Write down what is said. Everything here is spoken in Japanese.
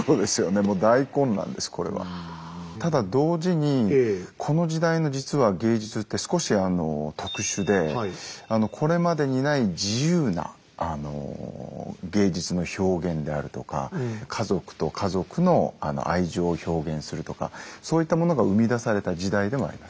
ただ同時にこの時代の実は芸術って少し特殊でこれまでにない自由な芸術の表現であるとか家族と家族の愛情を表現するとかそういったものが生み出された時代でもあります。